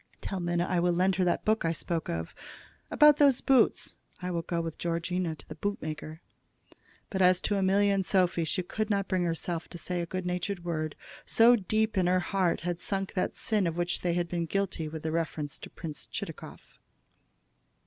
Tell Minna I will lend her that book I spoke of. About those boots I will go with Georgina to the boot maker." But as to Amelia and Sophy she could not bring herself to say a good natured word, so deep in her heart had sunk that sin of which they had been guilty with reference to Prince Chitakov.